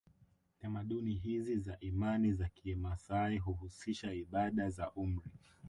Tamaduni hizi za imani za kimaasai huhusisha ibada za umri